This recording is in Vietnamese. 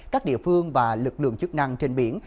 các địa phương và lực lượng chức năng trên biển